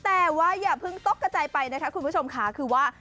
แต่ว่าอย่าเพิ่งตกกระจายไปนะคะคุณผู้ชมค่ะคือว่า